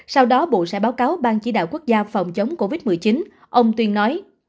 sau đó bộ sẽ báo cáo bang chỉ đạo quốc gia phòng chống covid một mươi chín ông tuyên nói